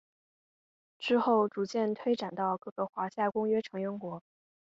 之后逐步推展到各个华沙公约成员国。